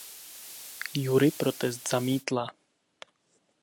Jury protest zamítla.